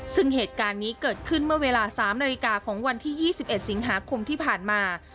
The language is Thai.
ซึ่งเหตุการณ์นี้เกิดขึ้นเมื่อเวลา๓นาฬิกาของวันที่๒๑สิงหาคมที่ผ่านมา